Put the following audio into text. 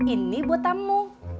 ini buat tamu